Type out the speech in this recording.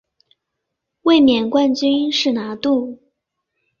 卫冕冠军是拿度。